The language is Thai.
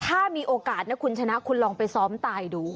ถ้ามีโอกาสนะคุณชนะคุณลองไปซ้อมตายดู